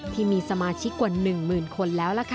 ที่มีสมาชิกกว่า๑หมื่นคนแล้วล่ะค่ะ